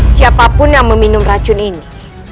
siapapun yang meminum racun ini